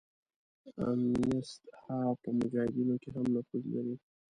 امینست ها په مجاهدینو کې هم نفوذ لري.